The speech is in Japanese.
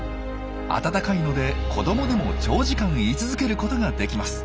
暖かいので子どもでも長時間居続けることができます。